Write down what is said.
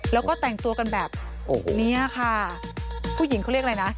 แล้วก็แต่งตัวกันแบบนี้ค่ะผู้หญิงเขาเรียกอะไรนะ